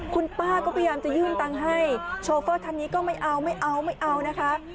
คุณป้าก็พยายามจะยื่นตังค์ให้ชอเฟอร์ทันนี้ก็ไม่เอานะคะ